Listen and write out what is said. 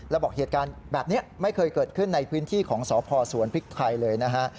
แล้วบอกเหตุการณ์แบบนี้ไม่เคยเกิดขึ้นในพื้นที่ของสพสวนพริกไทยเลยนะฮะ